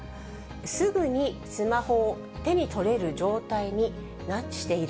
すぐにスマホを手に取れる状態にしている。